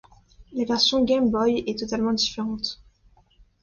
La version Game Boy est totalement différente.